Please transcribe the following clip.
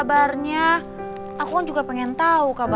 jangan rusak masa depan anak saya